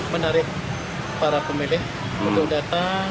menarik para pemilih untuk datang